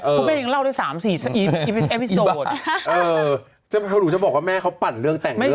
คุณแม่ยังเล่าได้สามสี่อีบ้าเออเจ้าพระธุรกิจจะบอกว่าแม่เขาปั่นเรื่องแต่งเรื่องหรอ